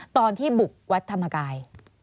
ตอนที่บุกวัดธรรมกาย